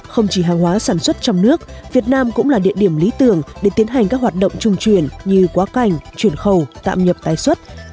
không chỉ hàng hóa sản xuất trong nước việt nam cũng là địa điểm lý tưởng để tiến hành các hoạt động trung chuyển như quá cảnh chuyển khẩu tạm nhập tái xuất